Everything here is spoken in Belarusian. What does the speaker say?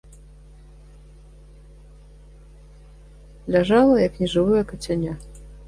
Ляжала, як нежывое кацянё.